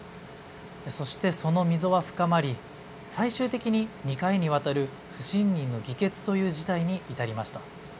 そして、その溝は深まり最終的に２回にわたる不信任の議決という事態に至りました。